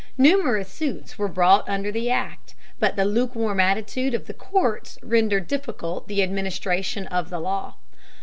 Numerous suits were brought under the Act, but the lukewarm attitude of the courts rendered difficult the administration of the law.